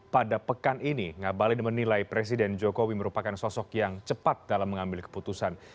pada pekan ini ngabalin menilai presiden jokowi merupakan sosok yang cepat dalam mengambil keputusan